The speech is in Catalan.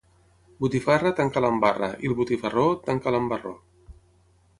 Botifarra, tanca-la amb barra, i el botifarró, tanca'l amb barró.